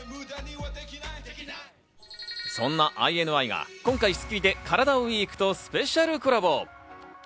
そんなＩＮＩが今回『スッキリ』でカラダＷＥＥＫとスペシャルコラボ。